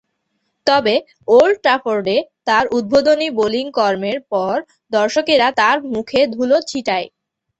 তবে, ওল্ড ট্রাফোর্ডে তার উদ্বোধনী বোলিং কর্মের পর দর্শকেরা তার মুখে ধুলো ছিটায়।